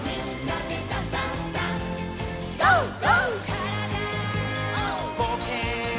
「からだぼうけん」